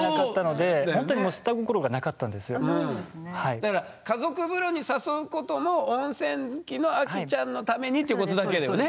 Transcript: だから家族風呂に誘うことも温泉好きのアキちゃんのためにっていうことだけだよね。